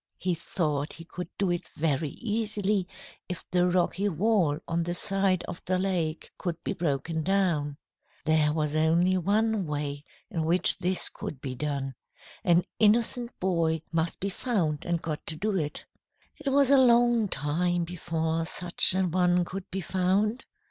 He thought he could do it very easily if the rocky wall on the side of the lake could be broken down. There was only one way in which this could be done. An innocent boy must be found and got to do it. "It was a long time before such an one could be found.